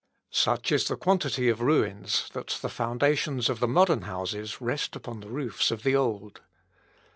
Such is the quantity of ruins, that the foundations of the modern houses rest upon the roofs of the old.